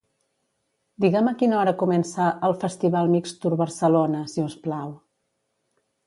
Digue'm a quina hora comença el "Festival Mixtur Barcelona" si us plau.